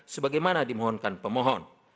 sebagaimana dimohonkan pemohon